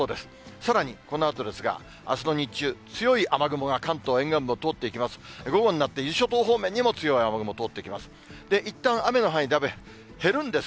さらにこのあとですが、あすの日中、強い雨雲が関東沿岸部を通っていきます。